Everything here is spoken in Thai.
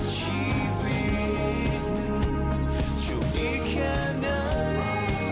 ชีวิตช่วงดีแค่ไหน